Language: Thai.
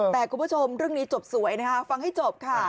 แต่คุณผู้ชมเรื่องนี้จบสวยนะคะฟังให้จบค่ะ